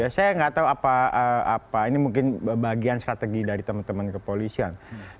saya nggak tahu apa ini mungkin bagian strategi dari teman teman kepolisian